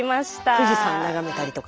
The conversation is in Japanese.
富士山眺めたりとか？